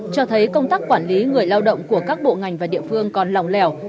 cho thấy công tác quản lý người lao động của các bộ ngành và địa phương còn lòng lẻo